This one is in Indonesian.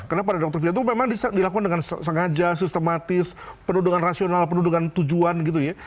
karena pada dr vira itu memang dilakukan dengan sengaja sistematis penuh dengan rasional penuh dengan tujuan gitu ya